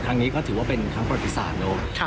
ครั้งนี้ก็ถือว่าเป็นครั้งปฏิษฐานโลก